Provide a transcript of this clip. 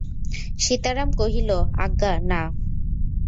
সীতারাম কহিল, আজ্ঞা না।